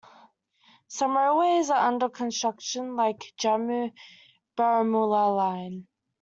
Some railways are under construction like Jammu-Baramulla line.